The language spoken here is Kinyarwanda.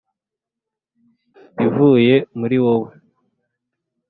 'ivuye muri wowe